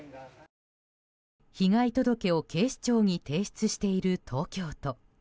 被害届を警視庁に提出している東京都。